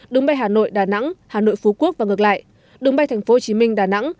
đường bay hà nội đà nẵng hà nội phú quốc và ngược lại đường bay thành phố hồ chí minh đà nẵng